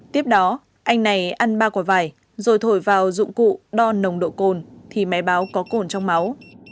tiếp đó anh này ăn ba quả vải rồi thổi vào dụng cụ đo nồng độ cồn thì máy báo có cồn trong máu